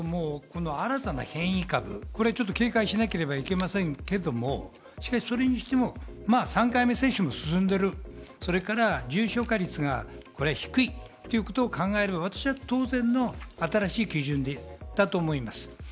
新たな変異株、ちょっと警戒しなければいけませんけども、それにしても３回目接種も進んでいる、それから重症化率が割合低いということを考えれば、私は当然の新しい基準だと思います。